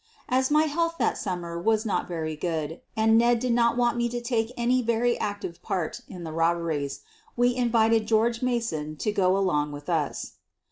As my health that summer was not very good and Ned did not want me to take any very active part in the robberies, we invited George Mason to go along with us.